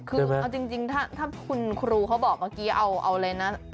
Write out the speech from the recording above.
คือเอาจริงถ้าคุณครูเขาบอกเมื่อกี้เอาเลยนะ